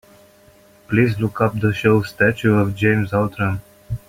Please look up the show Statue of James Outram.